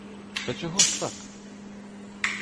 Та чого ж так?